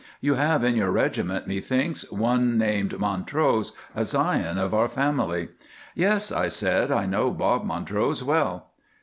You have in your regiment, methinks, one named Montrose, a scion of our family.' "'Yes,' I said, 'I know Bob Montrose well.